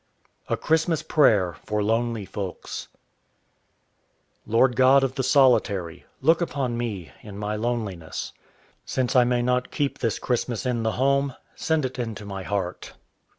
_ A CHRISTMAS PRAYER FOR LONELY FOLKS Lord God of the solitary, Look upon me in my loneliness. Since I may not keep this Christmas in the home, Send it into my heart.